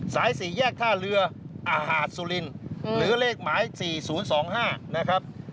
สาย๔แยกท่าเรืออาหารสุรินหรือเลขหมาย๔๐๒๕นะครับ